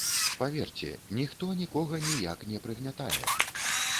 Паверце, ніхто нікога ніяк не прыгнятае.